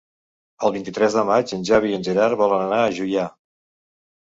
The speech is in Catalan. El vint-i-tres de maig en Xavi i en Gerard volen anar a Juià.